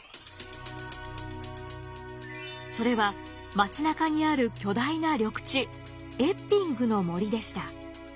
それは街中にある巨大な緑地エッピングの森でした。